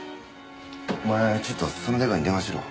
お前ちょっとそのデカに電話しろ。